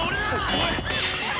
おい！